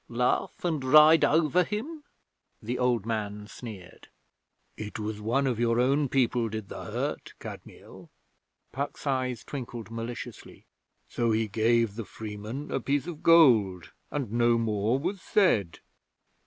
Laugh and ride over him?' the old man sneered. 'It was one of your own people did the hurt, Kadmiel.' Puck's eyes twinkled maliciously. 'So he gave the freeman a piece of gold, and no more was said.'